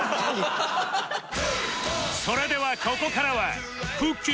それではここからはくっきー！